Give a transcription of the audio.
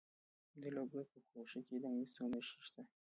د لوګر په خوشي کې د مسو نښې شته.